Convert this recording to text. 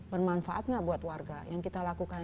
bermanfaat nggak buat warga yang kita lakukan